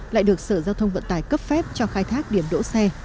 lại được sở giao thông vận tải cấp phép cho khai thác điểm đỗ xe